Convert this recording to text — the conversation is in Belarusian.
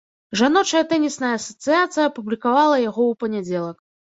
Жаночая тэнісная асацыяцыя апублікавала яго ў панядзелак.